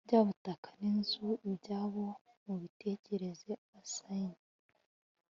Bya butaka ninzu ibyabo mubitekerezo assignd